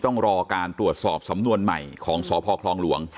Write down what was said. ต้องรอการตรวจสอบสำนวนใหม่ของสพคลองหลวง